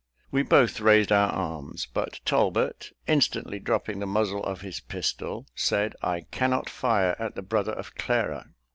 We both raised our arms; but Talbot, instantly dropping the muzzle of his pistol, said, "I cannot fire at the brother of Clara."